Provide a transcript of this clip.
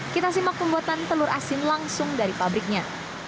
kita simak pembuatan telur asin langsung dari pabriknya